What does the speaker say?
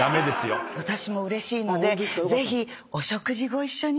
私もうれしいので。